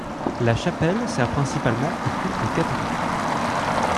La chapelle sert principalement au culte catholique.